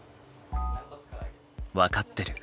分かってる。